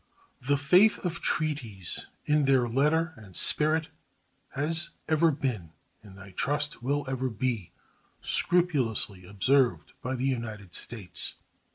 The faith of treaties, in their letter and spirit, has ever been, and, I trust, will ever be, scrupulously observed by the United States.